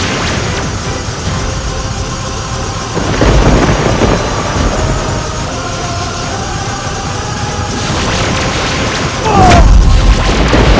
sekarang balik anak